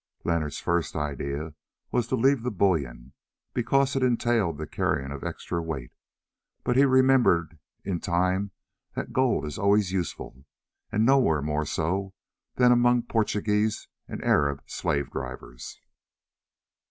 Leonard's first idea was to leave the bullion, because it entailed the carrying of extra weight; but he remembered in time that gold is always useful, and nowhere more so than among Portuguese and Arab slave drivers.